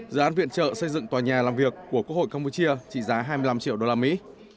dự án viện trợ xây dựng tòa nhà làm việc của quốc hội campuchia trị giá hai mươi năm triệu usd